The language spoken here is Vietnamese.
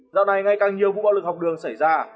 dạo này ngay càng nhiều vụ bạo lực học đường xảy ra